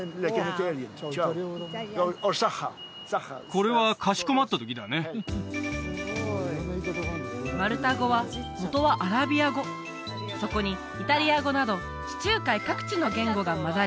これはかしこまった時だねマルタ語はもとはアラビア語そこにイタリア語など地中海各地の言語がまざり